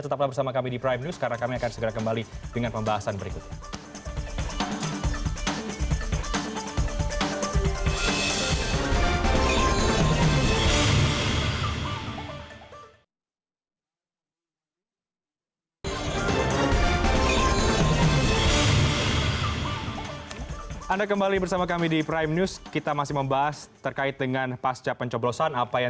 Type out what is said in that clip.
tetaplah bersama kami di prime news karena kami akan segera kembali dengan pembahasan berikutnya